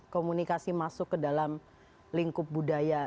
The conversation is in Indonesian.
komunikasi masuk ke dalam lingkup budaya